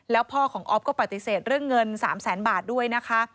แล้วพ่อของออฟก็ปฏิเสธเรื่องเงิน๓แสนบาทด้วยนะคะ